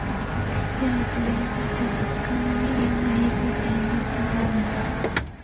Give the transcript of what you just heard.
They outlined the surgery in easy to understand images.